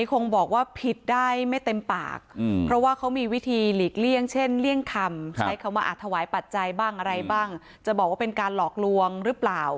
คงบอกว่าผิดได้ไม่เต็มปากเพราะว่าเขามีวิธีหลีกเลี่ยงเช่นเลี่ยงคำใช้คำว่าอาจถวายปัจจัยบ้างอะไรบ้างจะบอกว่าเป็นการหลอกลวงหรือเปล่า